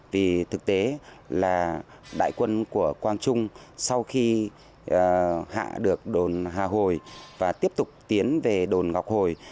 vì thực tế là đại quân của quang trung sau khi hạ được đồn hà hồi và tiếp tục tiến về đồn ngọc hồi